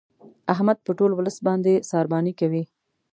احمد په ټول ولس باندې سارباني کوي.